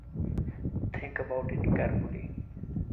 Think about it carefully.